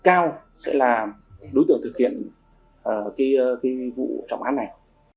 chúng tôi nhận định là đối tượng này khả năng cao sẽ là đối tượng thực hiện vụ trọng án này